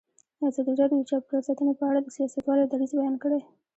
ازادي راډیو د چاپیریال ساتنه په اړه د سیاستوالو دریځ بیان کړی.